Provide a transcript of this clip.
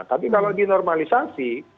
tapi kalau di normalisasi